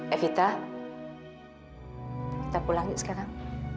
evita kita pulang yuk sekarang